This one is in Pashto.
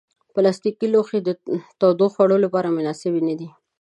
پلاستيکي لوښي د تودو خوړو لپاره مناسب نه دي.